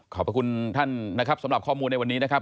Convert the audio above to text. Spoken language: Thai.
ขอบคุณท่านนะครับสำหรับข้อมูลในวันนี้นะครับ